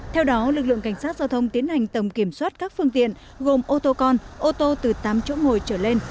theo đó lực lượng cảnh sát giao thông tiến hành tổng kiểm soát các phương tiện gồm ô tô con ô tô từ tám chỗ ngồi trở lên